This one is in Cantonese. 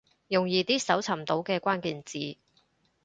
用易啲搜尋到嘅關鍵字